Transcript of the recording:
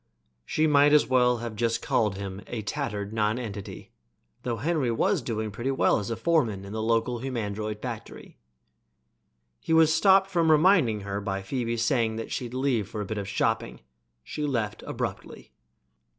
She might just as well have called him a tattered nonentity, though Henry was doing pretty well as a foreman in the local humandroid factory. He was stopped from reminding her by Phoebe's saying that she'd leave for a bit of shopping. She left abruptly.